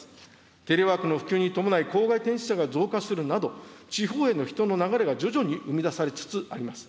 テレワークの普及に伴い郊外転出者が増加するなど、地方への人の流れが徐々に生み出されつつあります。